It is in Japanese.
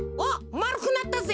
まるくなったぜ！